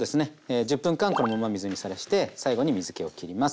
１０分間このまま水にさらして最後に水けをきります。